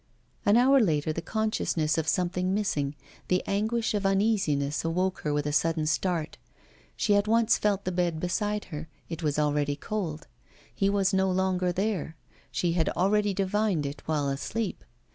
An hour later, the consciousness of something missing, the anguish of uneasiness awoke her with a sudden start. She at once felt the bed beside her, it was already cold: he was no longer there, she had already divined it while asleep.